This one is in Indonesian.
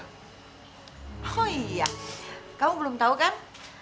aku iya kamu belum tahu kan